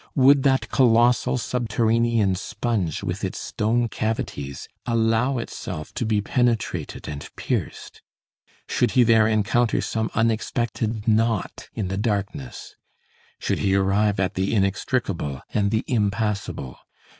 would that colossal subterranean sponge with its stone cavities, allow itself to be penetrated and pierced? should he there encounter some unexpected knot in the darkness? should he arrive at the inextricable and the impassable?